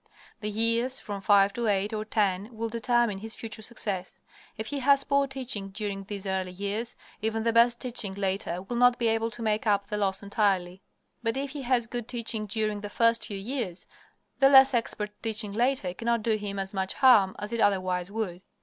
The years from five to eight or ten will determine his future success. If he has poor teaching during these early years, even the best teaching later will not be able to make up the loss entirely. But if he has good teaching during the first few years, then less expert teaching later cannot do him as much harm as it otherwise would.